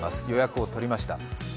予約を取りました。